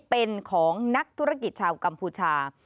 เป็นของนักธุรกิจชาวกัมพูชา